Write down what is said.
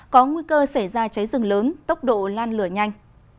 có nguy cơ xảy ra cháy rừng lớn tốc độ lan lửa nhanh